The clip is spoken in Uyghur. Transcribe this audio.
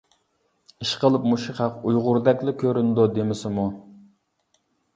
ئىشقىلىپ مۇشۇ خەق ئۇيغۇردەكلا كۆرۈنىدۇ دېمىسىمۇ.